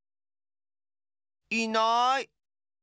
いない！